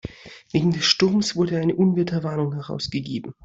Wegen des Sturmes wurde eine Unwetterwarnung herausgegeben.